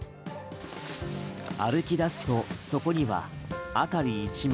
歩き出すとそこには辺り一面